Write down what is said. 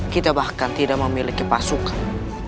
kita bahkan tidak memiliki pasukan